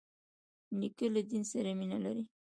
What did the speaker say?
نیکه له دین سره مینه لري.